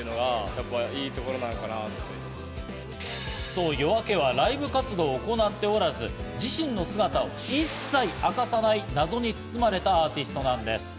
そう、ＹＯＡＫＥはライブ活動を行っておらず、自身の姿を一切明かさない謎に包まれたアーティストなんです。